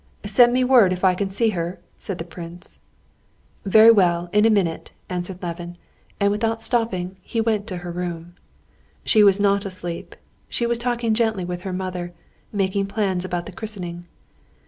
"Send me word if I can see her," said the prince. "Very well, in a minute," answered Levin, and without stopping, he went to her room. She was not asleep, she was talking gently with her mother, making plans about the christening.